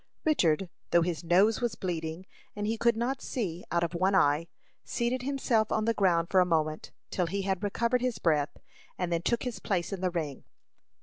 Richard, though his nose was bleeding, and he could not see out of one eye, seated himself on the ground for a moment, till he had recovered his breath, and then took his place in the ring.